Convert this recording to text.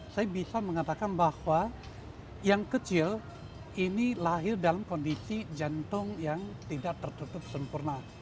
saya bisa mengatakan bahwa yang kecil ini lahir dalam kondisi jantung yang tidak tertutup sempurna